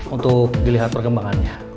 untuk dilihat pergembangannya